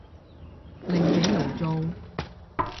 另起爐灶